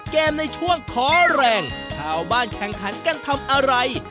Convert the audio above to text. ในช่วงขอแรงชาวบ้านแข่งขันกันทำอะไร